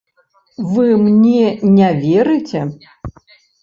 Вы мне не верыце?